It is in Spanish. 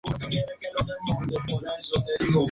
Pronto la locura se apodera de la familia Bell.